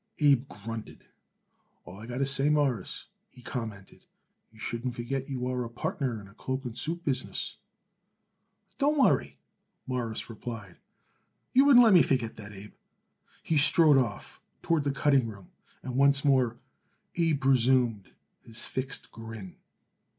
Abe grunted. "All I got to say, Mawruss," he commented, "you shouldn't forget you are a partner in a cloak and suit business." "Don't worry," Morris replied; "you wouldn't let me forget that, Abe." He strode off toward the cutting room and once more Abe resumed his fixed grin.